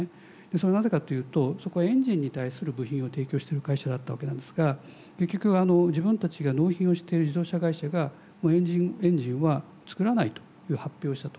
それはなぜかと言うとそこはエンジンに対する部品を提供してる会社だったわけなんですが結局自分たちが納品をしている自動車会社がもうエンジンは作らないという発表をしたと。